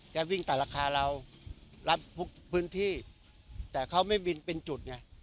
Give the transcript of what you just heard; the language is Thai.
แก๊บวิ่งตามราคาเราทุกพื้นที่แต่เขาไม่วินเป็นจุดไง